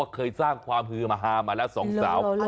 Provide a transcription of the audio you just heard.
เคยสร้างความฮือฮามาแล้วสองสาว